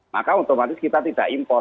maka otomatis kita tidak impor